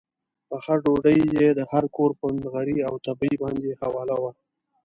پخه ډوډۍ یې د هر کور پر نغري او تبۍ باندې حواله وه.